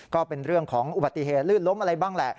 ก็เป็นเรื่องของอุบัติเหตุลื่นล้มอะไรบ้างแหละ